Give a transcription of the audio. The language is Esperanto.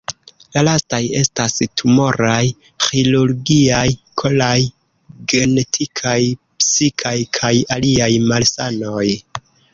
La lastaj estas tumoraj, ĥirurgiaj, koraj, genetikaj, psikaj kaj aliaj malsanoj.